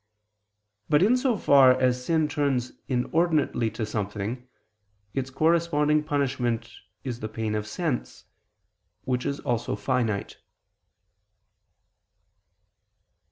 But in so far as sin turns inordinately to something, its corresponding punishment is the pain of sense, which is also finite.